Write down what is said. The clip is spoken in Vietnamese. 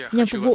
nhằm phục vụ